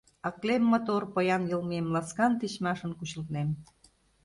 Аклем мотор, поян йылмем, Ласкан, тичмашын кучылтнем.